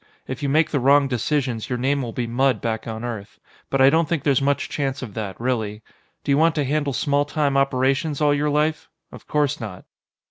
If you make the wrong decisions, your name will be mud back on Earth. But I don't think there's much chance of that, really. Do you want to handle small time operations all your life? Of course not.